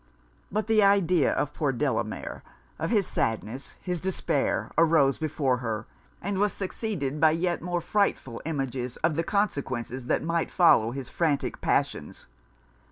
But the idea of poor Delamere of his sadness, his despair, arose before her, and was succeeded by yet more frightful images of the consequences that might follow his frantic passions.